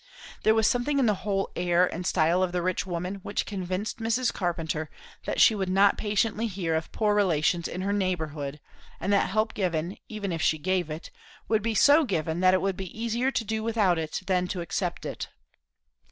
There was something in the whole air and style of the rich woman which convinced Mrs. Carpenter that she would not patiently hear of poor relations in her neighbourhood; and that help given, even if she gave it, would be so given that it would be easier to do without it than to accept it.